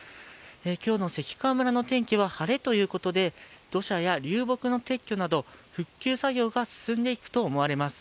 今日の関川村の天気は晴れということで、土砂や流木の撤去など、復旧作業が進んでいくと思われます。